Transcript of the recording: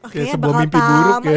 kayak sebuah mimpi buruk ya